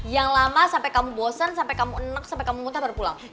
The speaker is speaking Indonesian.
yang lama sampai kamu bosan sampai kamu nex sampai kamu muntah baru pulang